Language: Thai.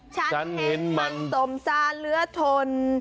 ฉันเห็นมันสมซานเหลือทน